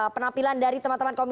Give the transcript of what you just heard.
penampilan dari presiden jokowi